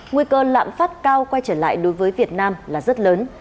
nguy cơ lạm phát cao quay trở lại đối với việt nam là rất lớn